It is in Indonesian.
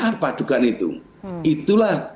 apa dugaan itu itulah